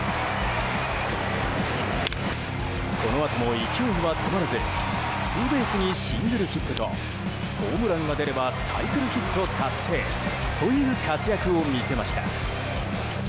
このあとも勢いは止まらずツーベースにシングルヒットとホームランが出ればサイクルヒット達成という活躍を見せました。